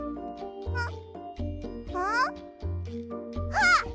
あっ！